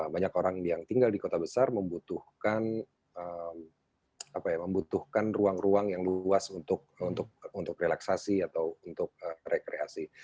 banyak orang yang tinggal di kota besar membutuhkan ruang ruang yang luas untuk relaksasi atau untuk rekreasi